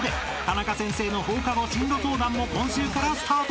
［タナカ先生の放課後進路相談も今週からスタート］